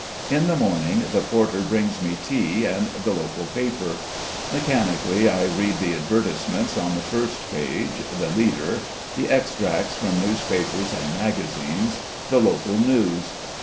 In the morning the porter brings me tea and the local paper. Mechanically I read the advertisements on the first page, the leader, the extracts from newspapers and magazines, the local news